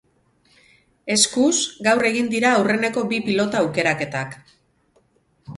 Eskuz, gaur egin dira aurreneko bi pilota aukeraketak.